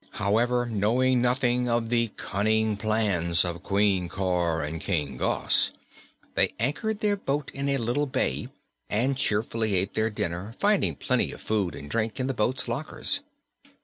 However, knowing nothing of the cunning plans of Queen Cor and King Gos, they anchored their boat in a little bay and cheerfully ate their dinner, finding plenty of food and drink in the boat's lockers.